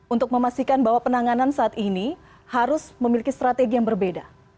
untuk memastikan bahwa penanganan saat ini harus memiliki strategi yang berbeda